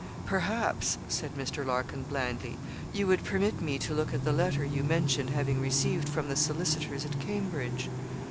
'Perhaps,' said Mr. Larkin, blandly, 'you would permit me to look at the letter you mention having received from the solicitors at Cambridge?'